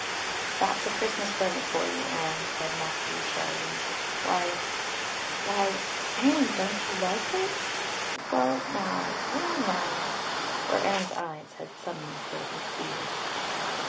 "That's a Christmas present for you, Anne," said Matthew shyly. "Why why Anne, don't you like it? Well now well now." For Anne's eyes had suddenly filled with tears.